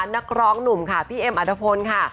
นักร้องหนุ่มค่ะพี่เอ็มอัตภพลค่ะ